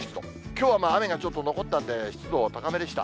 きょうは雨がちょっと残ったんで、湿度は高めでした。